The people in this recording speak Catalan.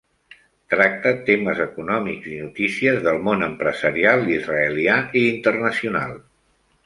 Tracta temes econòmics i notícies del món empresarial israelià i internacional.